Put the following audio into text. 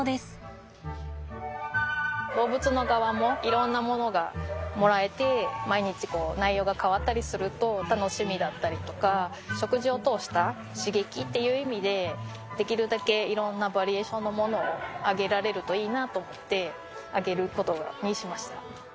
動物の側もいろんなものがもらえて食事を通した刺激っていう意味でできるだけいろんなバリエーションのものをあげられるといいなと思ってあげることにしました。